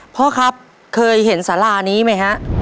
พ่อครับเคยเห็นสารานี้ไหมฮะ